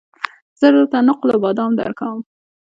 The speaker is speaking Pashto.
زه درته نقل بادام درکوم